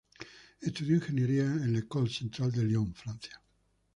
Estudió Ingeniería en la École Centrale de Lyon, Francia.